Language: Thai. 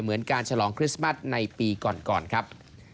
เหมือนการฉลองคริสต์มัสในปีก่อนครับ